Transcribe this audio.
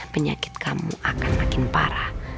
penyakit kamu akan makin parah